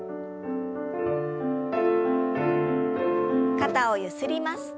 肩をゆすります。